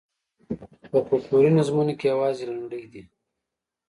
په فوکلوري نظمونو کې یوازې لنډۍ دي.